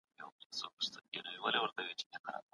د نیوکو څخه مه وېرېږئ.